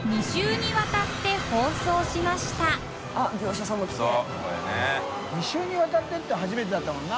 化気わたってって初めてだったもんな。